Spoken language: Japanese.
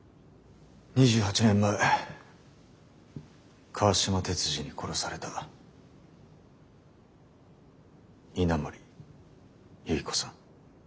２８年前川島鉄二に殺された稲森有依子さん。